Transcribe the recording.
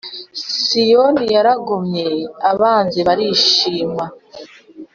Siyoni yaragomye abanzi barishima